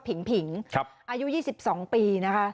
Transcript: ผิงผิงอายุ๒๒ปีนะคะ